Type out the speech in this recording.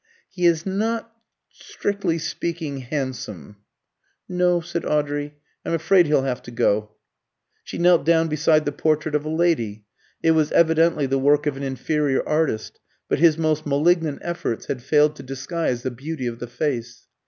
"He is not, strictly speaking, handsome." "No," said Audrey; "I'm afraid he'll have to go." She knelt down beside the portrait of a lady. It was evidently the work of an inferior artist, but his most malignant efforts had failed to disguise the beauty of the face.